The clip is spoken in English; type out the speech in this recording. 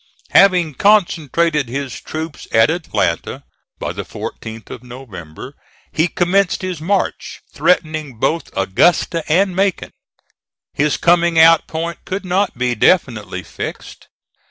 Having concentrated his troops at Atlanta by the 14th of November, he commenced his march, threatening both Augusta and Macon. His coming out point could not be definitely fixed.